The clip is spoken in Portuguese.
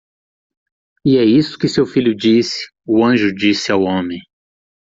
"E é isso que seu filho disse," o anjo disse ao homem.